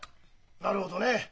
なるほどね。